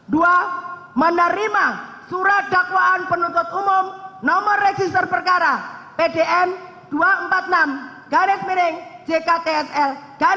dua menerima surat dakwaan penuntut umum nomor register perkara pdn dua ratus empat puluh enam garis miring jktsl dan